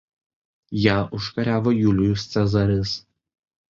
Ją užkariavo Julijus Cezaris.